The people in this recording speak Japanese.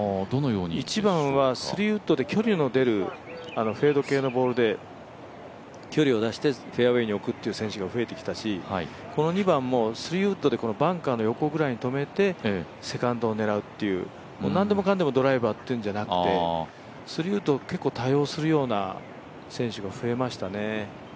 １番は３ウッドで距離の出るフェード系のボールで距離を出してフェアウエーに置くという選手が増えてきたし、この２番も３ウッドでバンカーの横ぐらいに止めてセカンドを狙うという、なんでもかんでもドライバーっていうんじゃなくて、３ウッドを多様するような選手が増えましたね。